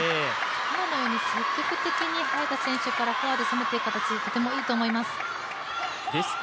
今のように積極的に早田選手からフォアで攻めていく形、とてもいいと思います。